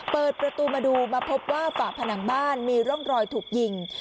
เปิดประตูมาดูมาพบว่าฝ่าผนังบ้านมีร่องรอยถูกยิง